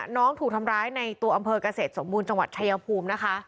น้องถูกทำร้ายในตัวอำเภอกเกษตรสมบูรณ์จังหวัดชายภูมินะคะ